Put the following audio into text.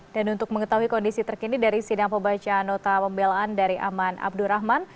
dan untuk mengetahui kondisi terkini dari sidang pembacaan nota pembelaan dari aman abdurrahman